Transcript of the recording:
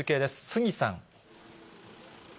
杉さん。